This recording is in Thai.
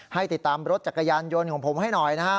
ให้ติดตามรถจักรยานยนต์ของผมให้หน่อยนะฮะ